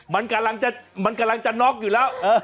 มันกำลังจะมันกำลังจะน็อกอยู่แล้ว